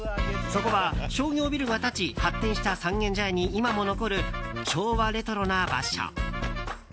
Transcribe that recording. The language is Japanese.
そこは、商業ビルが建ち発展した三軒茶屋に今も残る昭和レトロな場所。